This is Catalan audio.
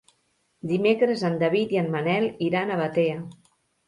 Dimecres en David i en Manel iran a Batea.